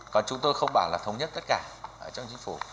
còn chúng tôi không bảo là thống nhất tất cả trong chính phủ